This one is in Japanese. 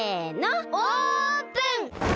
オープン！